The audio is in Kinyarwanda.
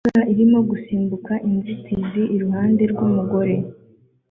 Imbwa irimo gusimbuka inzitizi iruhande rw'umugore